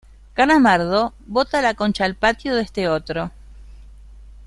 Calamardo, vota la concha al patio de este otro.